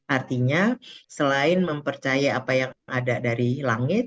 artinya selain mempercaya apa yang ada dari langit